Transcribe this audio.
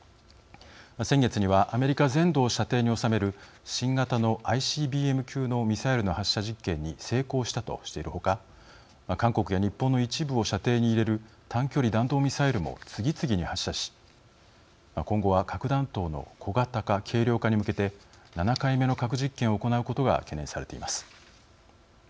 先月にはアメリカ全土を射程に収める新型のＩＣＢＭ級のミサイルの発射実験に成功したとしている他韓国や日本の一部を射程に入れる短距離弾道ミサイルも次々に発射し今後は核弾頭の小型化、軽量化に向けて７回目の核実験を行うことが懸念されています。